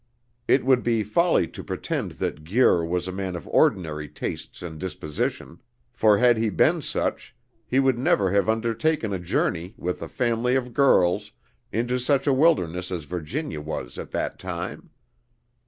It would be folly to pretend that Guir was a man of ordinary tastes and disposition; for had he been such, he would never have undertaken a journey, with a family of girls, into such a wilderness as Virginia was at that time.